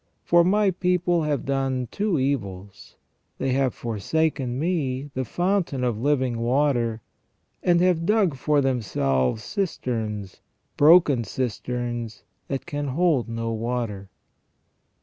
For * My people have done two evils : they have forsaken Me, the fountain of living water, and have dug for themselves cisterns, broken cisterns that can hold no water."